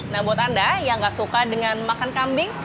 nah buat anda yang gak suka dengan makan kambing